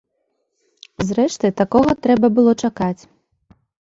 Зрэшты, такога трэба было чакаць.